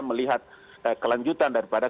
melihat kelanjutan daripada